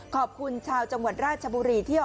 ขอบคุณชาวจังหวัดราชบุรีที่